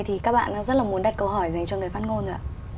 thì các bạn đang rất là muốn đặt câu hỏi dành cho người phát ngôn rồi ạ